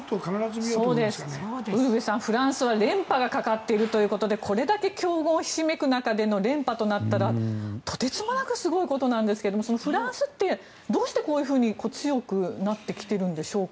ウルヴェさん、フランスは連覇がかかっているということでこれだけ強豪ひしめく中での連覇となったらとてつもなくすごいことなんですがフランスってどうして強くなってきているんでしょうか。